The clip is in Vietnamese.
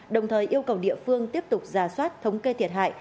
đồng thời yêu cầu địa phương tiếp tục ra soát thống kê thiệt hại